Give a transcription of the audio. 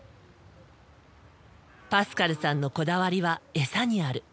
パスカルさんのこだわりはエサにある。